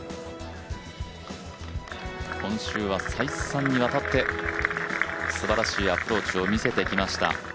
今週は再三にわたってすばらしいアプローチを見せてきました。